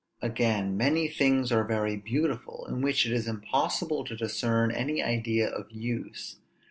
Again, many things are very beautiful, in which it is impossible to discern any idea of use.